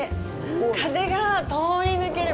風が通り抜ける